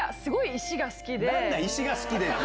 石が好きでって。